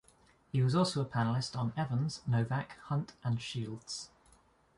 He was also a panelist on Evans, Novak, Hunt, and Shields.